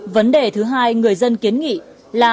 vấn đề thứ hai người dân kiến nghị là